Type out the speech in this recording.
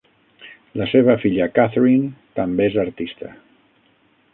La seva filla Catherine també és artista.